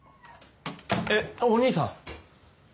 えっお義兄さん。